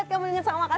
sampai jumpa lagi